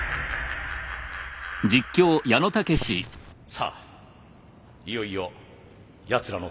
さあいよいよやつらの登場です。